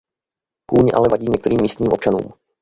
Kůň ale vadí některým místním občanům.